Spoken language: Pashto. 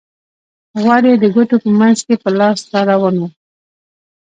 غوړ یې د ګوتو په منځ کې په لاس را روان وو.